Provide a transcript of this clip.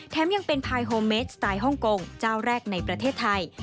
ยังเป็นพายโฮเมสสไตล์ฮ่องกงเจ้าแรกในประเทศไทย